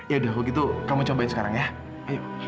yaudah kalau gitu kamu cobain sekarang ya ayo